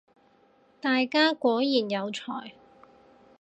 大家果然有才